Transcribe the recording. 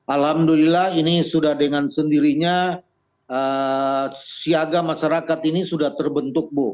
alhamdulillah ini sudah dengan sendirinya siaga masyarakat ini sudah terbentuk bu